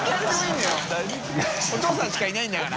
お父さんしかいないんだから。